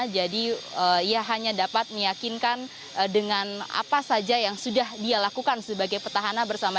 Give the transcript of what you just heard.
jadi ia hanya dapat meyakinkan dengan apa saja yang sudah dia lakukan sebagai petahana